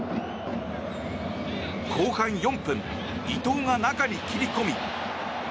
後半４分伊東が中に切り込み。